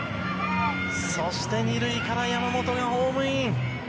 そして、２塁から山本がホームイン。